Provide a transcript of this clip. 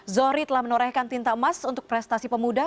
zohri telah menorehkan tinta emas untuk prestasi pemuda